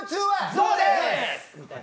ぞうです。